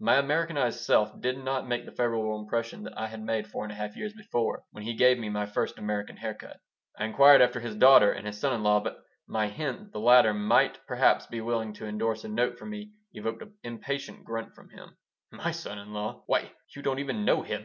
My Americanized self did not make the favorable impression that I had made four and a half years before, when he gave me my first American hair cut I inquired after his daughter and his son in law, but my hint that the latter might perhaps be willing to indorse a note for me evoked an impatient grunt "My son in law! Why, you don't even know him!"